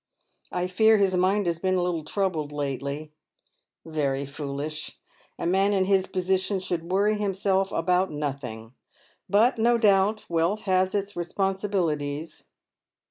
I fear his mind has been^ a little troubled lately. Very foolish. A man in his position should worry himself about nothing. But no doubt wealth has its responsibilities."